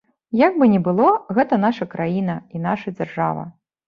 Як бы ні было, гэта наша краіна і наша дзяржава.